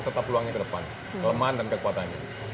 serta peluangnya ke depan kelemahan dan kekuatannya